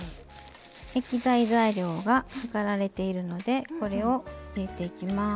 液体材料が量られているのでこれを入れていきます。